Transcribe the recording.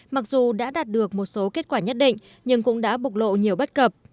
mặc dù đã đạt được một số kết quả nhất định nhưng cũng đã bục lộ nhiều bất cập